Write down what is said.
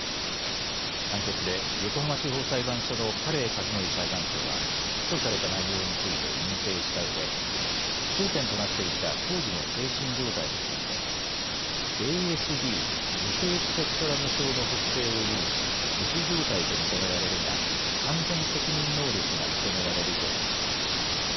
判決で横浜地方裁判所の家令和典裁判長は起訴された内容について認定したうえ争点となっていた当時の精神状態についてＡＳＤ・自閉スペクトラム症の特性を有しうつ状態と認められるが完全責任能力が認められると述べました。